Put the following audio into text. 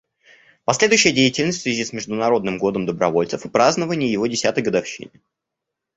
Последующая деятельность в связи с Международным годом добровольцев и празднование его десятой годовщины.